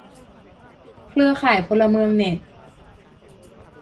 เครือข่ายพลเมืองเน็ต